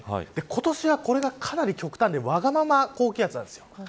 今年はこれが、かなり極端でわがまま高気圧なんです。